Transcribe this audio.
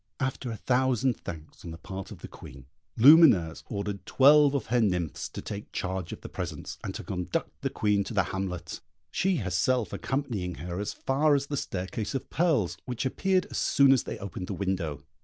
After a thousand thanks on the part of the Queen, Lumineuse ordered twelve of her nymphs to take charge of the presents, and to conduct the Queen to the hamlet, she herself accompanying her as far as the staircase of pearls, which appeared as soon as they opened the window.